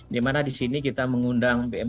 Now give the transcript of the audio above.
dimana di sini kita mengundang